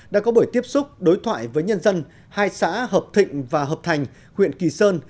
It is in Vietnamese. đã có buổi tiếp xúc đối thoại với nhân dân hai xã hợp thịnh và hợp thành huyện kỳ sơn